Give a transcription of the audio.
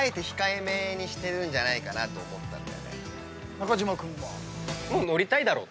中島君は？